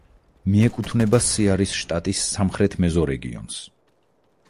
მიეკუთვნება სეარის შტატის სამხრეთ მეზორეგიონს.